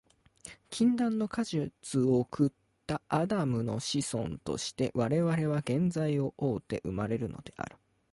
禁断の果実を食ったアダムの子孫として、我々は原罪を負うて生まれるのである。